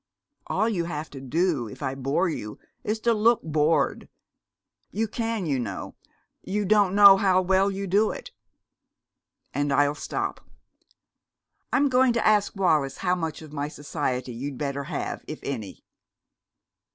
All you have to do if I bore you is to look bored. You can, you know. You don't know how well you do it! And I'll stop. I'm going to ask Wallis how much of my society you'd better have, if any."